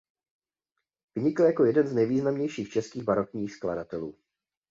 Vynikl jako jeden z nejvýznamnějších českých barokních skladatelů.